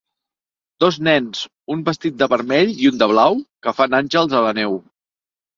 Dos nens, un vestit de vermell i un de blau, que fan àngels a la neu.